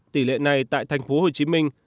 tỷ lệ này tại thành phố hồ chí minh